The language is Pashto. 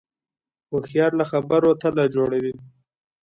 هوښیار له خبرو تله جوړوي